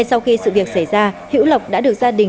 hữu lộc đã được gia đình đưa đến cơ quan công an đầu thú